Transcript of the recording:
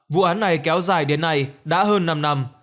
vụ án này kéo dài đến nay đã hơn năm năm